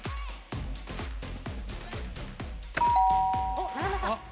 おっ長野さん